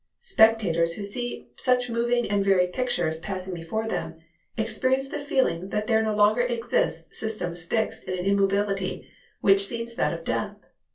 Spectators who see such moving and varied pictures passing before them, experience the feeling that there no longer exist systems fixed in an immobility which seems that of death.